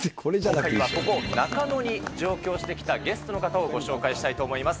ここ、中野に上京してきたゲストの方をご紹介したいと思います。